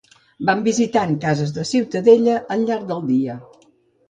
Van visitant cases de Ciutadella al llarg dia.